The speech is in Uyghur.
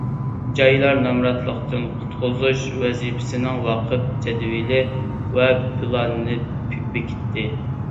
جايلار نامراتلىقتىن قۇتقۇزۇش ۋەزىپىسىنىڭ ۋاقىت جەدۋىلى ۋە پىلانىنى بېكىتتى.